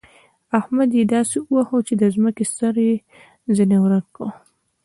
احمد يې داسې وواهه چې د ځمکې سر يې ځنې ورک کړ.